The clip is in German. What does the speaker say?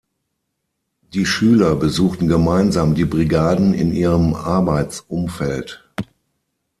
Die Schüler besuchten gemeinsam die Brigaden in ihrem Arbeitsumfeld.